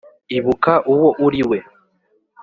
ibuka uwo uri we